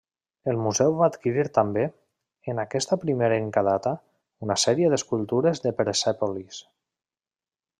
El museu va adquirir també, en aquesta primerenca data, una sèrie d'escultures de Persèpolis.